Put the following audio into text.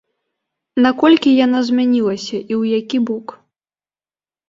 Наколькі яна змянілася, і ў які бок?